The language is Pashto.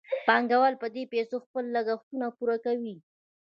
پانګوال په دې پیسو خپل لګښتونه پوره کوي